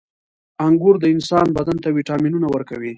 • انګور د انسان بدن ته ویټامینونه ورکوي.